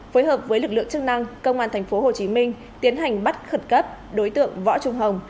phối hợp với lực lượng chức năng công an tp hcm tiến hành bắt khẩn cấp đối tượng võ trung hồng